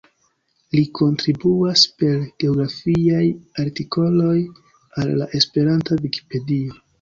Li kontribuas per geografiaj artikoloj al la Esperanta Vikipedio.